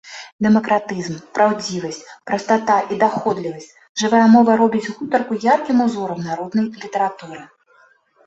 Дэмакратызм, праўдзівасць, прастата і даходлівасць, жывая мова робяць гутарку яркім узорам народнай літаратуры.